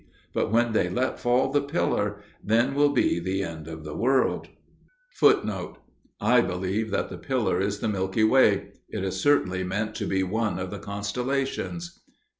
But when they let fall the Pillar, then will be the end of the world.1 1 I believe that the Pillar is the Milky Way: it is certainly meant to be one of the constellations.